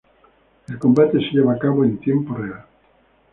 El combate se lleva a cabo en tiempo real.